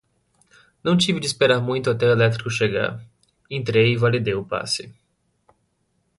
Não tive de esperar muito até o elétrico chegar. Entrei e validei o passe.